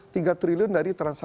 tiga triliun dari tahun lalu